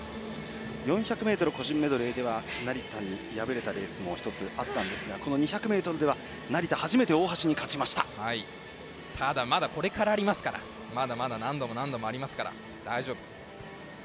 ４００ｍ個人メドレーでは成田に敗れたレースも１つあったんですがこの２００ｍではただ、まだこれからありますから何度もありますから大丈夫。